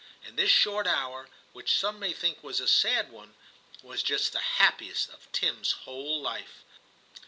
And this short hour, which some may think was a sad one, was just the happiest of Tim's whole life.